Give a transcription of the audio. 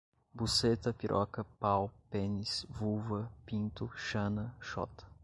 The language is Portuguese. Buceta, piroca, pau, pênis, vulva, pinto, xana, xota